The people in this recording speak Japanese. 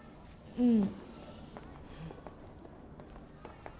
うん。